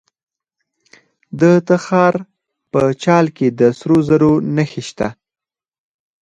د تخار په چال کې د سرو زرو نښې شته.